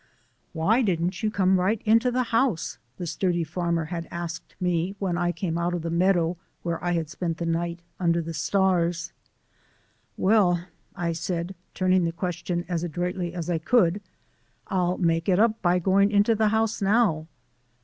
"Why didn't you come right into the house?" the sturdy farmer had asked me when I came out of the meadow where I had spent the night under the stars. "Well," I said, turning the question as adroitly as I could, "I'll make it up by going into the house now."